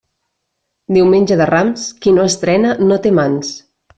Diumenge de Rams, qui no estrena no té mans.